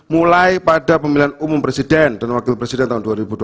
mulai pada pemilihan umum presiden dan wakil presiden tahun dua ribu dua puluh